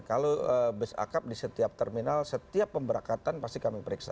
kalau bus akap di setiap terminal setiap pemberangkatan pasti kami periksa